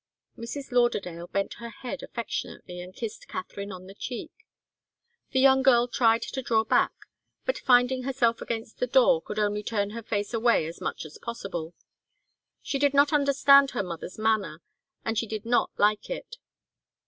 Mrs. Lauderdale bent her head affectionately and kissed Katharine on the cheek. The young girl tried to draw back, but finding herself against the door, could only turn her face away as much as possible. She did not understand her mother's manner, and she did not like it.